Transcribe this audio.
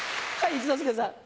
一之輔さん。